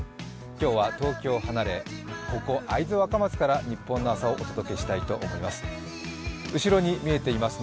今日は東京を離れ、ここ会津若松からニッポンの朝をお届けしたいと思います。